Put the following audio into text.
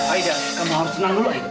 aida kamu harus senang dulu